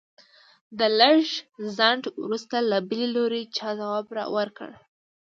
د لږ ځنډ وروسته له بل لوري چا ځواب ورکړ.